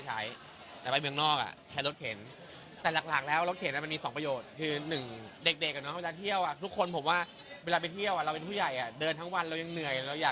ก็แค่นั้นเองแต่ว่าแม่แม่จะสนิทกว่าเพราะว่าแน่นอนแบบเวลา